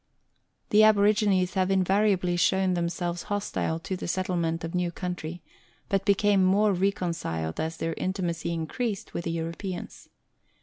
The aborigines have invariably shown themselves hostile to the settlement of new country, but became more reconciled as their intimacy increased with the Europeans.